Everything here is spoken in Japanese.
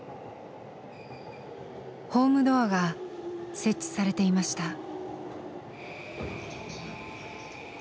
ホームドアが設置されていました。